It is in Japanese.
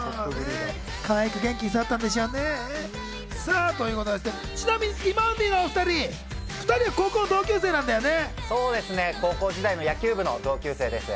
かわいく元気に育ったんでしょうね。ということで、ちなみにティモンディのお２人、野球部の同級生です。